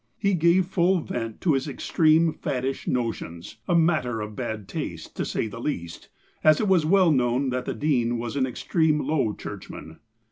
He gave full vent to his extreme, faddish notions, a matter of bad taste, to say the least, as it was well known that the dean was an extreme low churchman.